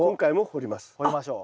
掘りましょう。